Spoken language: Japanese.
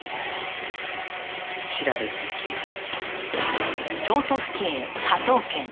調べておきます。